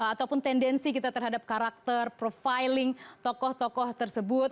ataupun tendensi kita terhadap karakter profiling tokoh tokoh tersebut